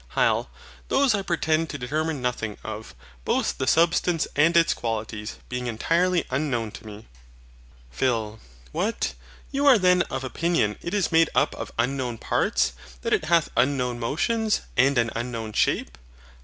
HYL. Those I pretend to determine nothing of, both the substance and its qualities being entirely unknown to me. PHIL. What? You are then of opinion it is made up of unknown parts, that it hath unknown motions, and an unknown shape?